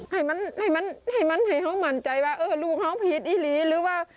ให้มันให้มันให้เขามันใจว่าลูกเขาผิดดีหรือว่า